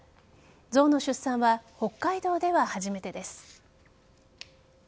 ゾウの出産は北海道では初めてです。